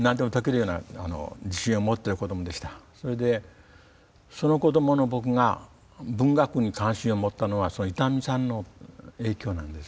それでその子どもの僕が文学に関心を持ったのは伊丹さんの影響なんです。